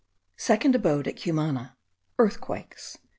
SECOND ABODE AT CUMANA. EARTHQUAKES.